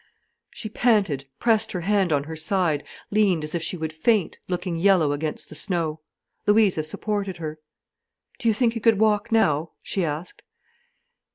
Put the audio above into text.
She panted, pressed her hand on her side, leaned as if she would faint, looking yellow against the snow. Louisa supported her. "Do you think you could walk now?" she asked.